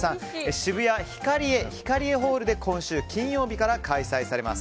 渋谷ヒカリエ、ヒカリエホールで今週金曜日から開催されます。